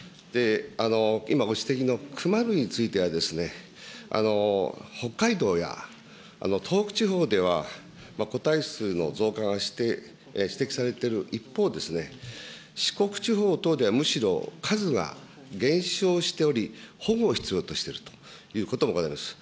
今ご指摘の熊類については、北海道や東北地方では個体数の増加が指摘されている一方、四国地方等ではむしろ数が減少しており、保護を必要としているということもございます。